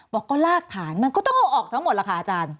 บอกก็ลากฐานมันก็ต้องเอาออกทั้งหมดล่ะค่ะอาจารย์